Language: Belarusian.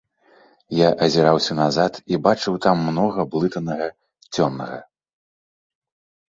Я азіраўся назад і бачыў там многа блытанага, цёмнага.